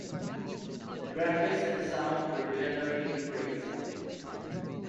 The graphics and sound were generally praised.